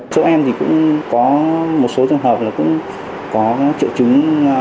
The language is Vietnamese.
chỗ em thì cũng có một số trường hợp là cũng có triệu chứng